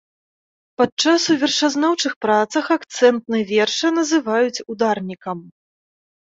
Падчас у вершазнаўчых працах акцэнтны верша называюць ударнікам.